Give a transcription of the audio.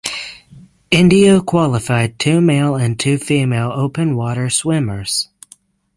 India qualified two male and two female open water swimmers.